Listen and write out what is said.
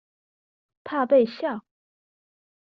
怕被笑？